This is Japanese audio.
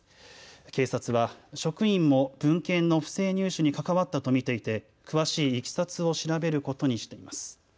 警察は職員も文献の不正入手に関わったと見ていて詳しいいきさつを調べることにしています。